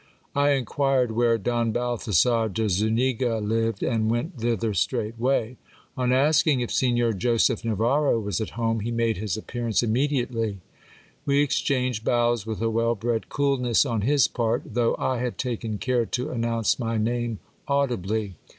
I inquired where Don Balthazar de Zuniga lived, and went thither straightway. On ask ing if Signor Joseph Navarro was at home, he made his appearance immedi ately. We exchanged bows with a well bred coolness on his part, though 1 had taken care to announce my name audibly.